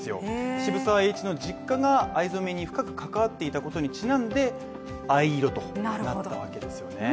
渋沢栄一の実家が藍染に深く関わっていたことにちなんで藍色となるわけですよね